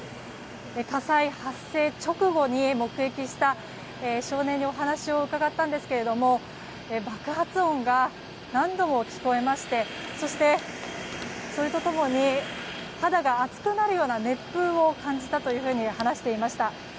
火災発生直後に目撃した少年にお話を伺ったんですけれども爆発音が何度も聞こえましてそして、それと共に肌が熱くなるような熱風を感じたというふうに話していました。